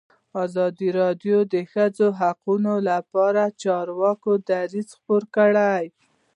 ازادي راډیو د د ښځو حقونه لپاره د چارواکو دریځ خپور کړی.